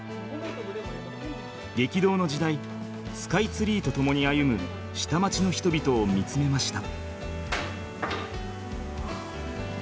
激動の時代スカイツリーと共に歩む下町の人々を見つめました。